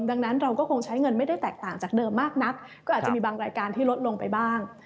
ดังนั้นเราก็คงใช้เงินไม่ได้แตกต่างจากเดิมมากนักก็อาจจะมีบางรายการที่ลดลงไปบ้าง